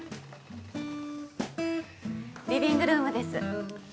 リビングルームです。